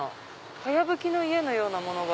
かやぶきの家のようなものが。